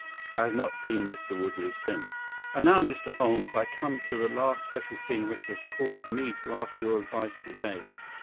I have not seen Mr. Woodley since. "And now, Mr. Holmes, I come at last to the special thing which has caused me to ask your advice to day.